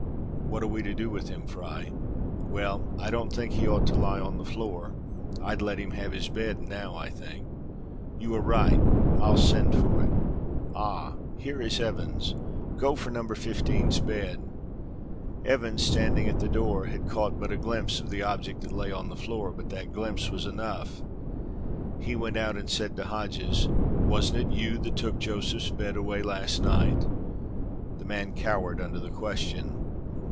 "What are we to do with him, Fry?" "Well, I don't think he ought to lie on the floor. I'd let him have his bed now, I think." "You are right. I'll send for it. Ah! here is Evans. Go for No. 15's bed." Evans, standing at the door, had caught but a glimpse of the object that lay on the floor, but that glimpse was enough. He went out and said to Hodges, "Wasn't it you that took Josephs' bed away last night?" The man cowered under the question.